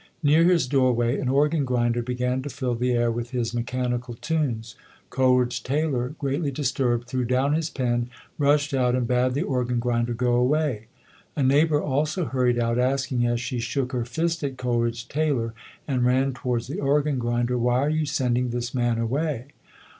Near his doorway, an organ grinder began to fill the air with his mechanical tunes. Coleridge Taylor, greatly disturbed, threw down his pen, rushed out and bade the organ grinder go away. A neighbor also hurried out, asking as she shook her fist at Coleridge Taylor and ran towards the organ grinder, "Why are you sending this man away?"